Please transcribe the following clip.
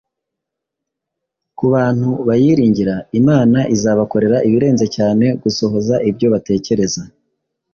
Ku bantu bayiringira, Imana izabakorera ibirenze cyane gusohoza ibyo batekereza.